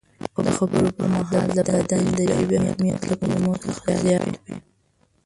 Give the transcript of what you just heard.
د خبرو پر مهال د بدن ژبې اهمیت له کلمو څخه زیات دی.